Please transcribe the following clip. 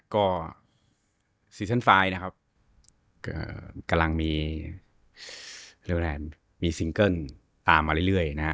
ก็ซีซั่น๕นะครับกำลังมีซิงเกิ้ลตามมาเรื่อย